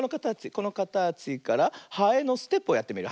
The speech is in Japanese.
このかたちからハエのステップをやってみる。